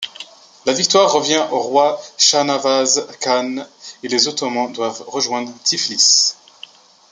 La victoire revient au roi Shah-Navaz Khan et les Ottomans doivent rejoindre Tiflis.